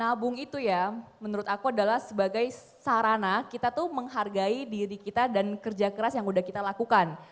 nabung itu ya menurut aku adalah sebagai sarana kita tuh menghargai diri kita dan kerja keras yang udah kita lakukan